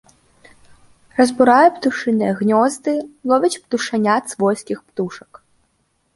Разбурае птушыныя гнёзды, ловіць птушанят свойскіх птушак.